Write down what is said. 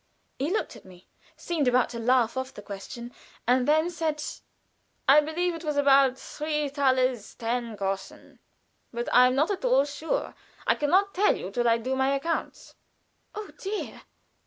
He looked at me, seemed about to laugh off the question, and then said: "I believe it was about three thalers ten groschen, but I am not at all sure. I can not tell till I do my accounts." "Oh, dear!"